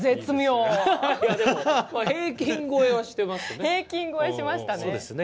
平均超えはしてますね。